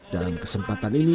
dalam kesempatan ini